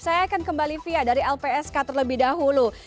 saya akan kembali fia dari lpsk terlebih dahulu